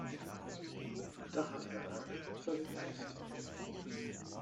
Da hat Herr Rack völlig Recht.